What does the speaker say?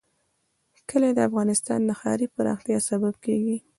کلي د افغانستان د ښاري پراختیا سبب کېږي.